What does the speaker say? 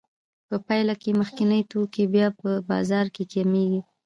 په پایله کې مخکیني توکي بیا په بازار کې کمېږي